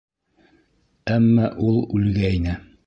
Әммә ул үлгәйне.